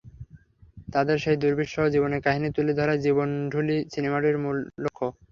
তাদের সেই দুর্বিষহ জীবনের কাহিনি তুলে ধরাই জীবনঢুলী সিনেমাটির মূল লক্ষ্য।